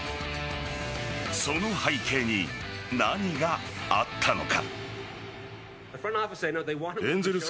その背景に何があったのか。